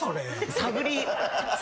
探り。